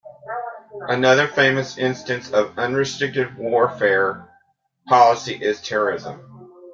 Another famous instance of "Unrestricted Warfare" policy is terrorism.